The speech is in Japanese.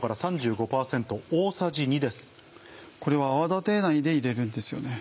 これは泡立てないで入れるんですよね。